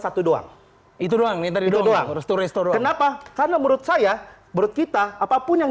satu doang itu doang itu doang harus turis toro kenapa karena menurut saya berut kita apapun yang